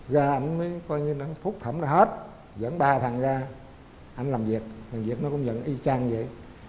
ra anh mới coi như nó phúc thẩm ra hết dẫn ba thằng ra anh làm việc làm việc nó cũng dẫn y chang vậy